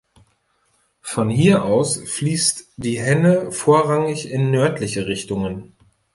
Von hier aus fließt die Henne vorrangig in nördliche Richtungen.